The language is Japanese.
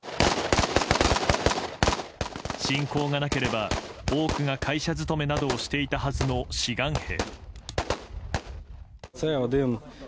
侵攻がなければ多くが会社勤めなどをしていたはずの志願兵。